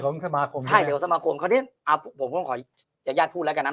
ของสมาคมให้เดี๋ยวสมาคมเขาเรียกผมขออย่าพูดแล้วกับน้ำ